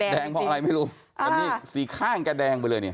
แดงเพราะอะไรไม่รู้แต่นี่สีข้างแกแดงไปเลยเนี่ย